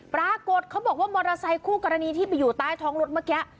ปรากฏว่ามอเตอร์ไซคู่กรณีที่ไปอยู่ใต้ท้องรถเมื่อกี้